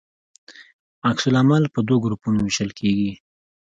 عکس العمل په دوه ګروپونو ویشل کیږي.